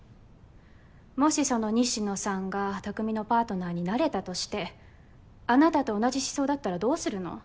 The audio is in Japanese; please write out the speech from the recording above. もしその西野さんが匠のパートナーになれたとしてあなたと同じ思想だったらどうするの？